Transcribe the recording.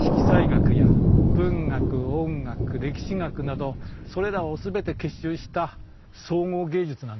学や文学音楽歴史学などそれらを全て結集した総合芸術なんです。